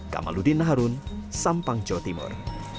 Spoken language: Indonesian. kamaludin naharun sampang jawa timur